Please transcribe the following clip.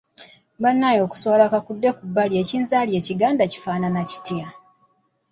Abange okuswala kakudde ku bbali ekinzaali ekiganda kifaanana kitya?